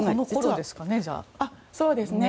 そうですね。